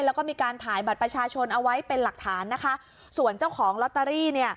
แล้วก็มีการถ่ายบัตรประชาชนเอาไว้เป็นหลักฐานนะคะส่วนเจ้าของลอตเตอรี่เนี่ย